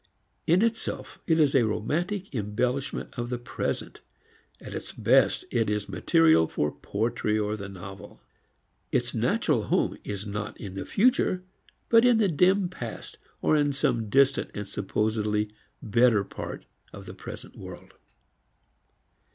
In itself it is a romantic embellishment of the present; at its best it is material for poetry or the novel. Its natural home is not in the future but in the dim past or in some distant and supposedly better part of the present world.